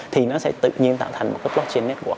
thì nó sẽ tự nhiên tạo thành một cái blockchain network